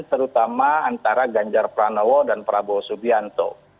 terutama antara ganjar pranowo dan prabowo subianto